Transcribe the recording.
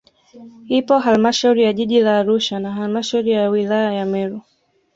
Ipo halmashauri ya jiji la Arusha na halmashauri ya wilaya ya Meru